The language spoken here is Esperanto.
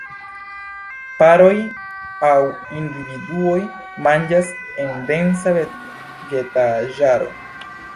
Paroj aŭ individuoj manĝas en densa vegetaĵaro.